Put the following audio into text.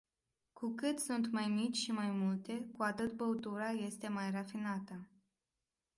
Cu cât sunt mai mici și mai multe, cu atât băutura este mai rafinată.